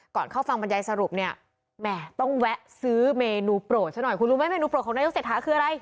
ก่อนเข้าฟังบรรยายสรุปเนี่ยแหมต้องแวะซื้อเมนูโปรดขนาดปลุฤติแค่ไหน